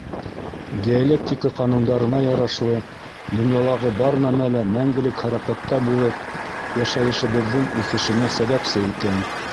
Диалектика ҡанундарына ярашлы, донъялағы бар нәмә лә мәңгелек хәрәкәттә булып, йәшәйешебеҙҙең үҫешенә сәбәпсе икән.